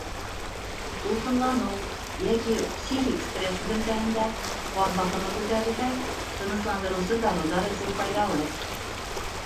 Тулҡынланыу йәки психик стресс һөҙөмтәһендә ҡан баҫымы күтәрелһә, тынысландырыусы дарыуҙар эсеү файҙалы.